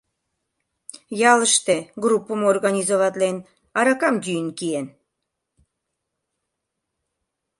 Ялыште, группым организоватлен, аракам йӱын киен.